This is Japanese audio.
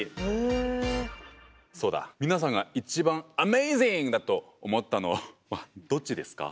そうだ皆さんが一番アメージングだと思ったのはどっちですか？